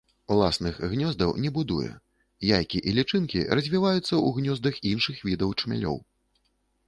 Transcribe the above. Уласных гнёздаў не будуе, яйкі і лічынкі развіваюцца ў гнёздах іншых відаў чмялёў.